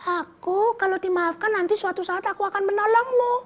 aku kalau dimaafkan nanti suatu saat aku akan menolongmu